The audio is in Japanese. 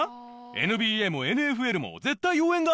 ＮＢＡもＮＦＬも絶対応援があるだろう？